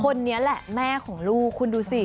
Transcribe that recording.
คนนี้แหละแม่ของลูกคุณดูสิ